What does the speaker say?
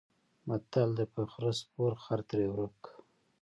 متل دی: په خره سپور خر ترې ورک.